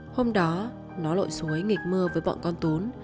hôm đó nó lội xuối nghịch mưa với bọn con tún